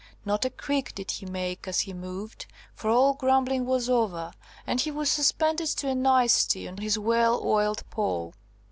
Not a creak did he make as he moved, for all grumbling was over, and he was suspended to a nicety on his well oiled pole.